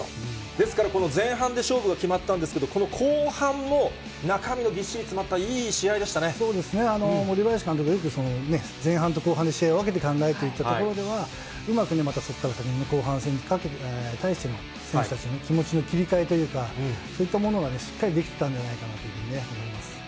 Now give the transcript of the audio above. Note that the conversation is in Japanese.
ですから、この前半で勝負が決まったんですけど、この後半も中身のぎっしり詰まったいい試合でしそうですね、もりばやし監督はよく前半と後半で試合を分けて考えていたところでは、うまくまたそこから後半戦に対しての、選手たちの気持ちの切り替えというか、そういったものがね、しっかりできてたんじゃないかなと思います。